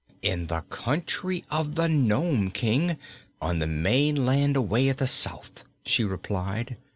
"In the country of the Nome King, on the mainland away at the south," she replied.